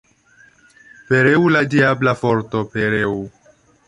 Pereu la diabla forto, pereu!